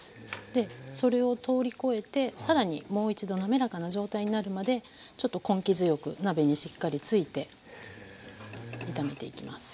でそれを通り越えて更にもう一度滑らかな状態になるまでちょっと根気強く鍋にしっかりついて炒めていきます。